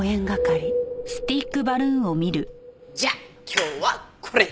じゃあ今日はこれで。